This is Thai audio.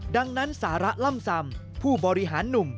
ดังนั้นสาระล่ำซำผู้บริหารหนุ่ม